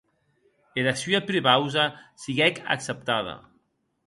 Era sua prepausa siguec acceptada.